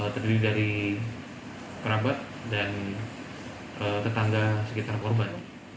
terdiri dari kerabat dan tetangga sekitar korban